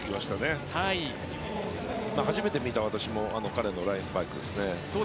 私も初めて見た彼のラインスパイクです。